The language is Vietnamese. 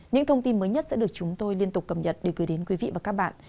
những thông tin mới nhất sẽ được chúng tôi liên tục cập nhật để gửi đến quý vị và các bạn